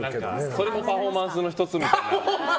それもパフォーマンスの１つみたいな。